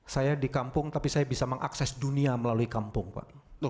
saya di kampung tapi saya bisa mengakses dunia melalui kampung pak